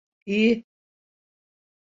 İyi